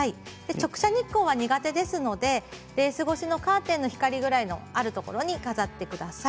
直射日光は苦手ですのでレース越しのカーテンの光ぐらいのところに飾ってください。